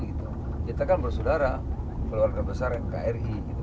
kita kan bersaudara keluarga besar yang kri